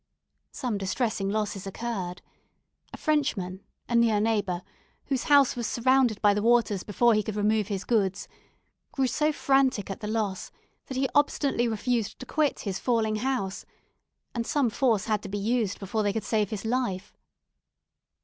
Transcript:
Some distressing losses occurred. A Frenchman, a near neighbour, whose house was surrounded by the waters before he could remove his goods, grew so frantic at the loss, that he obstinately refused to quit his falling house; and some force had to be used before they could save his life.